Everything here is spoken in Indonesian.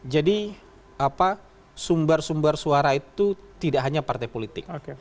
jadi sumber sumber suara itu tidak hanya partai politik